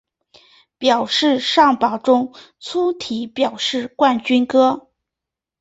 表示上榜中粗体表示冠军歌